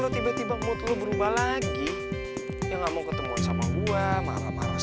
bener berani gak lo